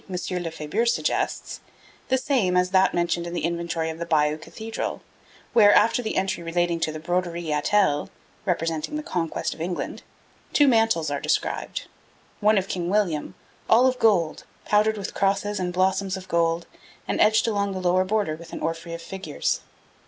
Lefebure suggests, the same as that mentioned in the inventory of the Bayeux Cathedral, where, after the entry relating to the broderie a telle (representing the conquest of England), two mantles are described one of King William, 'all of gold, powdered with crosses and blossoms of gold, and edged along the lower border with an orphrey of figures.'